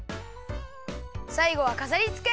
さいごはかざりつけ！